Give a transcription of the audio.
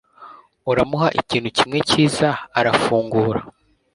Uramuha ikintu kimwe cyiza arafungura